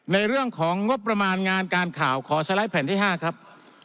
ในเรื่องของงบประมาณงานการข่าวขอสไลด์แผ่นที่๕ครับ